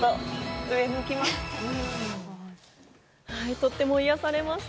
とっても癒やされました。